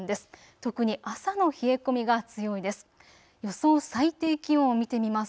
特に朝の冷え込みが強いです。